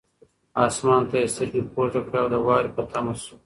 اسمان ته یې سترګې پورته کړې او د واورې په تمه شو.